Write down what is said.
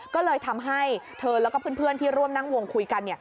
ก็เลยทำให้เธอแล้วก็เพื่อนที่ร่วมนั่งวงคุยกัน